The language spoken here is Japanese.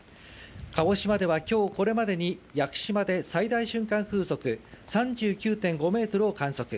鹿児島では今日これまでに屋久島で最大瞬間風速３９．５メートルを観測。